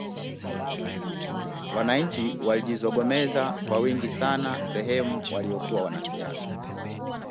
Wananchi walijizongomeza kwa wingi sana sehemu walikokuwa wanasiasa